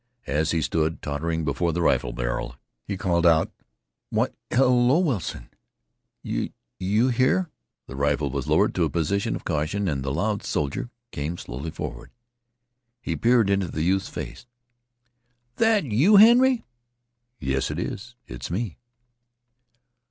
As he stood tottering before the rifle barrel, he called out: "Why, hello, Wilson, you you here?" The rifle was lowered to a position of caution and the loud soldier came slowly forward. He peered into the youth's face. "That you, Henry?" "Yes, it's it's me."